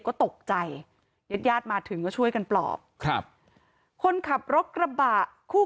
ก็ตกใจญาติญาติมาถึงก็ช่วยกันปลอบครับคนขับรถกระบะคู่